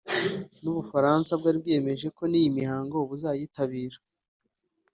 n’Ubufaransa bwari bwiyemeje ko iyi mihango buzayitabira